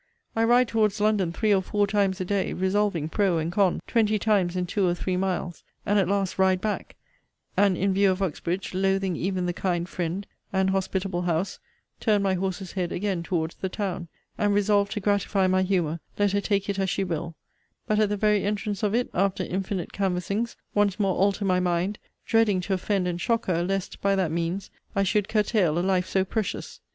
I ride towards London three or four times a day, resolving pro and con, twenty times in two or three miles; and at last ride back; and, in view of Uxbridge, loathing even the kind friend, and hospitable house, turn my horse's head again towards the town, and resolve to gratify my humour, let her take it as she will; but, at the very entrance of it, after infinite canvassings, once more alter my mind, dreading to offend and shock her, lest, by that means, I should curtail a life so precious.